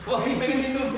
wah pengen susu